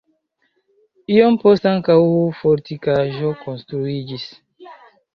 Iom poste ankaŭ fortikaĵo konstruiĝis.